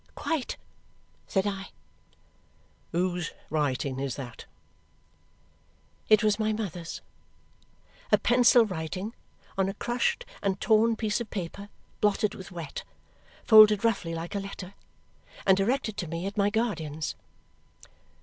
"Quite," said I. "Whose writing is that?" It was my mother's. A pencil writing, on a crushed and torn piece of paper, blotted with wet. Folded roughly like a letter, and directed to me at my guardian's.